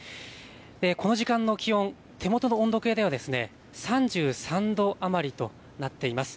この時間の気温、手元の温度計では３３度余りとなっています。